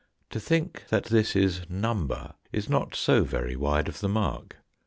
To think that this is number is not so very wide of the mark.